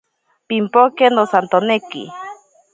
Pimpoke nosantoneki.